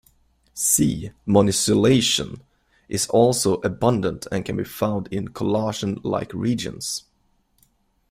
"C"-Mannosylation is also abundant and can be found in collagen-like regions.